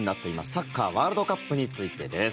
サッカーワールドカップについてです。